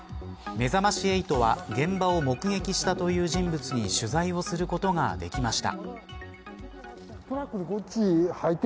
めざまし８は現場を目撃したという人物に取材をすることができました。